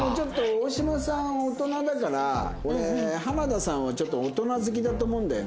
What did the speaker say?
大人だから俺花田さんはちょっと大人好きだと思うんだよね。